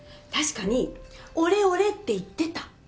確かに「俺俺」って言ってた。